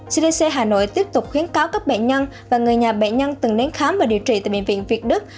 cdc hà nội tiếp tục khuyến cáo các bệnh nhân và người nhà bệnh nhân từng đến khám và điều trị tại bệnh viện việt đức